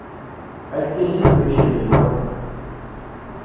Argaz-im mačči d menwala.